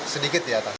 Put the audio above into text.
sedikit di atas